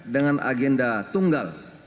dengan agenda tunggal